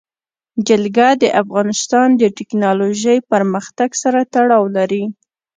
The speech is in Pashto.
جلګه د افغانستان د تکنالوژۍ پرمختګ سره تړاو لري.